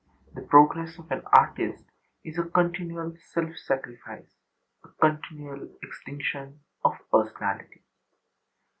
The progress of an artist is a continual self sacrifice, a continual extinction of personality.